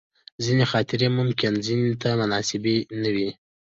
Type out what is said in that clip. ځینې خاطرې ممکن ځینو ته مناسبې نه وي.